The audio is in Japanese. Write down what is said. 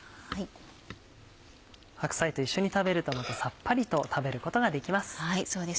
白菜と一緒に食べるとさっぱりと食べることができます。